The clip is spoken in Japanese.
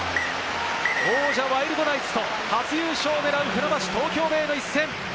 王者・ワイルドナイツと初優勝を狙う船橋・東京ベイの一戦。